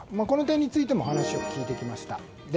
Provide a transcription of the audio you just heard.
この点についてもお話を聞いてきました。